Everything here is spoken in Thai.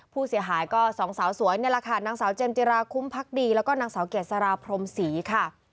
ผู้เสียหายก็สองสาวสวยนี่แหละค่ะนางสาวเจมสจิราคุ้มพักดีแล้วก็นางสาวเกษราพรมศรีค่ะ